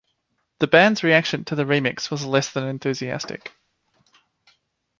The band's reaction to the remix was less than enthusiastic.